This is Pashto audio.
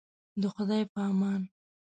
د خدای په امان.